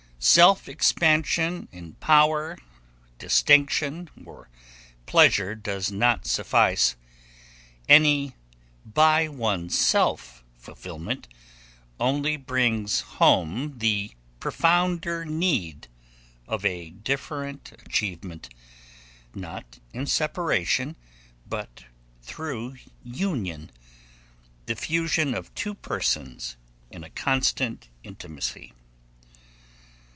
Self expansion in power, distinction, or pleasure does not suffice. Any by oneself fulfillment only brings home the profounder need of a different achievement, not in separation, but through union, the fusion of two persons in a constant intimacy.